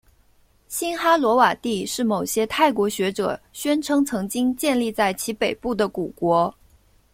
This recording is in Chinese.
辛哈罗瓦帝是某些泰国学者宣称曾经建立在其北部的古国。